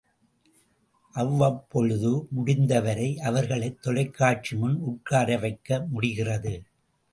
அவ்வப்பொழுது முடிந்தவரை அவர்களைத் தொலைக்காட்சி முன் உட்கார வைக்க முடிகிறது.